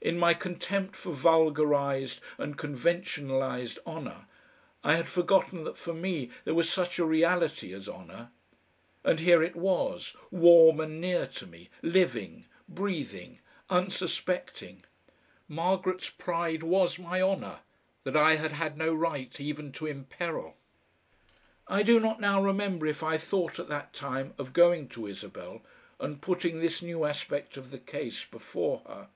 In my contempt for vulgarised and conventionalised honour I had forgotten that for me there was such a reality as honour. And here it was, warm and near to me, living, breathing, unsuspecting. Margaret's pride was my honour, that I had had no right even to imperil. I do not now remember if I thought at that time of going to Isabel and putting this new aspect of the case before her.